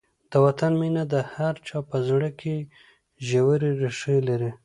د وطن مینه د هر چا په زړه کې ژورې ریښې لري.